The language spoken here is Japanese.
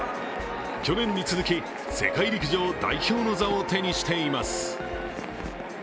去年に続き世界陸上代表の座を手にしています。